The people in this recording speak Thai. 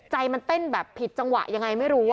ใจมันเต้นแบบผิดจังหวะยังไงไม่รู้